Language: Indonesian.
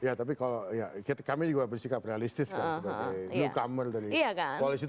ya tapi kalau ya kami juga bersikap realistis kan sebagai newcomer dari koalisi itu